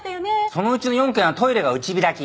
そのうちの４軒はトイレが内開き